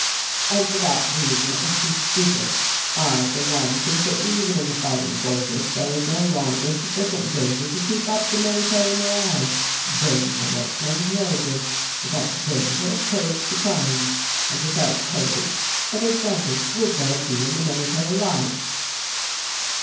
"And for that reason it must be stupid I, for one, think that even in the fighting forces there is no longer sufficient danger to keep up the military morale. Danger makes men courageous without danger courage declines and without courage what advantage would there be in the military life?"